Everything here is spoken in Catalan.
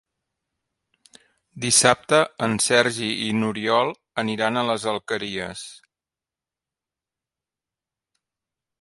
Dissabte en Sergi i n'Oriol aniran a les Alqueries.